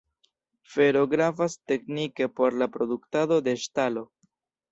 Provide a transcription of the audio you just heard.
Fero gravas teknike por la produktado de ŝtalo.